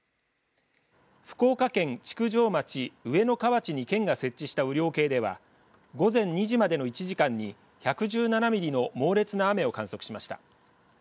福岡県築上町上ノ河内に県が設置した雨量計では午前２時までの１時間に１１７ミリの猛烈な雨を観測しました。